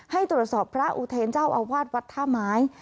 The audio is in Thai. ให้ตรวจสอบพระอุเทรนเจ้าอาวาสวัดท่าไม้